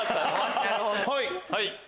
はい！